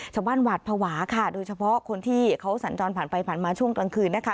หวาดภาวะค่ะโดยเฉพาะคนที่เขาสัญจรผ่านไปผ่านมาช่วงกลางคืนนะคะ